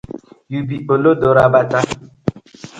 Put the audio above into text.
Yu bi olodo rabata.